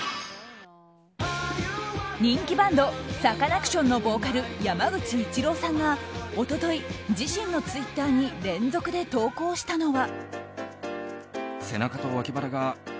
人気バンドサカナクションのボーカル、山口一郎さんが一昨日、自身のツイッターに連続で投稿したのは。